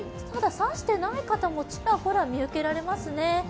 差していない方もちらほら見受けられますね。